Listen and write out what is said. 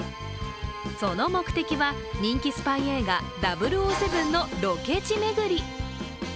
その目的は人気スパイ映画「００７」のロケ地巡り。